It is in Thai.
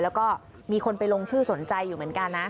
แล้วก็มีคนไปลงชื่อสนใจอยู่เหมือนกันนะ